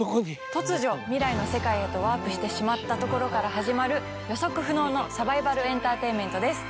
突如未来の世界へとワープしてしまったところから始まる予測不能のサバイバルエンターテインメントです